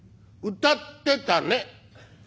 「歌ってたね」。